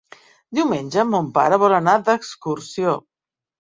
Diumenge mon pare vol anar d'excursió.